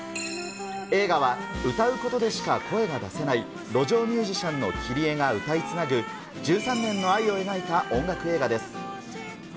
映画は、歌うことでしか声が出せない路上ミュージシャンのキリエが歌いつなぐ１３年の愛を描いた音楽映画です。